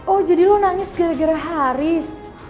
oh jadi lu nangis gara gara haris